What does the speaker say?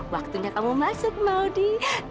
waktunya kamu masuk maudie